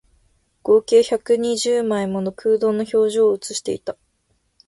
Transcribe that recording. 合計百二十枚もの空洞の表情を写していた